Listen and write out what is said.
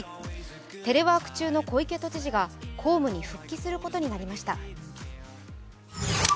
テレワーク中の小池都知事が公務に復帰することになりました。